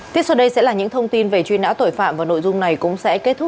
tiếp sau đây sẽ là những thông tin về truy nã tội phạm và nội dung này cũng sẽ kết thúc